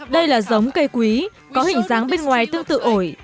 đây là giống cây quý có hình dáng bên ngoài tương tự ổi